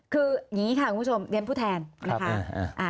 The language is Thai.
คืออย่างนี้ค่ะคุณผู้ชมเรียนผู้แทนนะคะ